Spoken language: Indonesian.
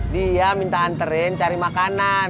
dia minta anterin cari makanan